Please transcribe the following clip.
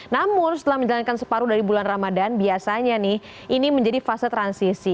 namun setelah menjalankan separuh dari bulan ramadan biasanya nih ini menjadi fase transisi